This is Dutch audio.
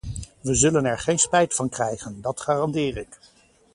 We zullen er geen spijt van krijgen, dat garandeer ik.